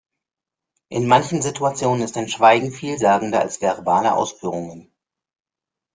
In manchen Situationen ist ein Schweigen vielsagender als verbale Ausführungen.